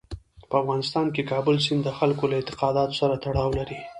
په افغانستان کې کابل سیند د خلکو له اعتقاداتو سره تړاو لري.